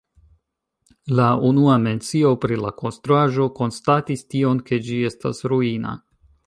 La unua mencio pri la konstruaĵo konstatis tion, ke ĝi estas ruina.